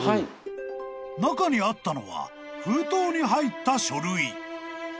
［中にあったのは封筒に入った書類］